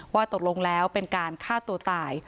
ว่าตกลงแล้วเป็นการฆ่าตัวตาย